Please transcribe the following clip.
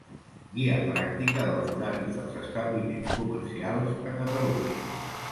Guia pràctica dels horaris dels establiments comercials a Catalunya.